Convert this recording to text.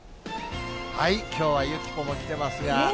きょうはゆきポも来てますが。